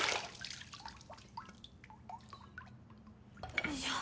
よいしょ。